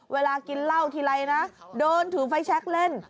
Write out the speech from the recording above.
เวลากินเหล้าทีไรนะเดินถือไฟแชคเล่น